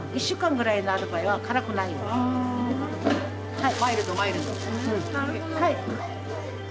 はい。